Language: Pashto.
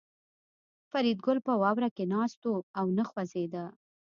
فریدګل په واوره کې ناست و او نه خوځېده